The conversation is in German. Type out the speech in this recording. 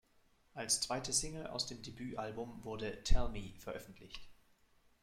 Als zweite Single aus dem Debüt-Album wurde "Tell Me" veröffentlicht.